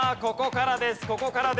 ここからです。